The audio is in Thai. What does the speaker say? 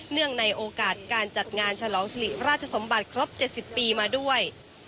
เนื่องในโอกาสการจัดงานฉลองสิริราชสมบัติครบ๗๐ปีมาด้วย